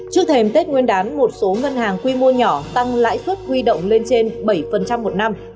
trước thềm tết nguyên đán một số ngân hàng quy mô nhỏ tăng lãi suất huy động lên trên bảy một năm